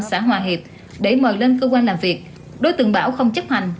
xã hòa hiệp để mời lên cơ quan làm việc đối tượng bảo không chấp hành